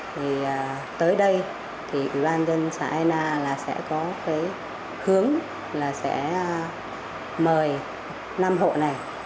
thì tới đây thì ủy ban dân xã ai là sẽ có cái hướng là sẽ mời năm hộ này